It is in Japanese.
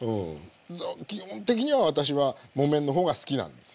基本的には私は木綿の方が好きなんですよ。